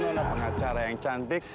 nona pengacara yang cantik